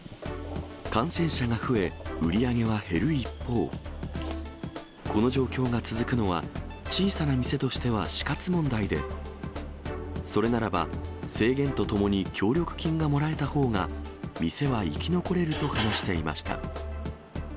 感染者が増え、売り上げは減る一方、この状況が続くのは、小さな店としては死活問題で、それならば、制限とともに協力金がもらえたほうが、店は生き残れると話していました。